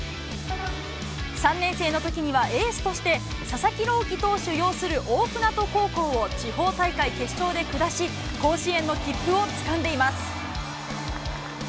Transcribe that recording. ３年生のときには、エースとして佐々木朗希投手擁する大船渡高校を地方大会決勝で下し、甲子園の切符をつかんでいます。